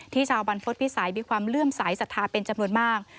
ชาวบรรพฤษภิษัยมีความเลื่อมสายศรัทธาเป็นจำนวนมาก